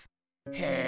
へえ。